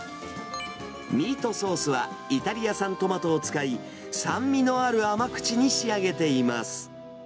ミートソースは、イタリア産トマトを使い、酸味のある甘口に仕上げています。